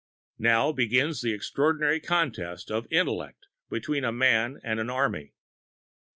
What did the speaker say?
Now begins an extraordinary contest of intellect between a man and an army.